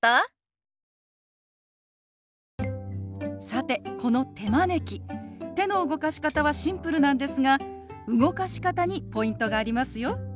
さてこの手招き手の動かし方はシンプルなんですが動かし方にポイントがありますよ。